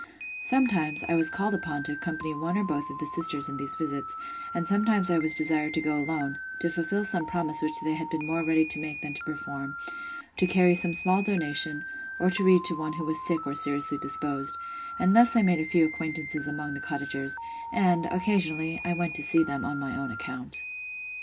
Sometimes, I was called upon to accompany one or both of the sisters in these visits; and sometimes I was desired to go alone, to fulfil some promise which they had been more ready to make than to perform; to carry some small donation, or read to one who was sick or seriously disposed: and thus I made a few acquaintances among the cottagers; and, occasionally, I went to see them on my own account.